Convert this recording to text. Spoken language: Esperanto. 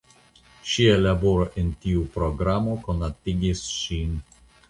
Ŝia laboro en tiu programo konatigis ŝin.